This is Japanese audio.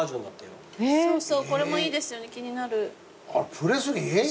プレスリー？